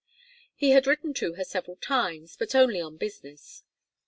He had written to her several times, but only on business.